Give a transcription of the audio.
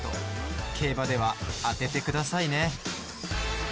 競馬では当ててくださいね。